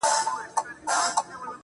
دغه انسان بېشرفي په شرافت کوي.